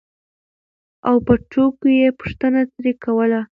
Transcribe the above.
او په ټوکو یې پوښتنه ترې کوله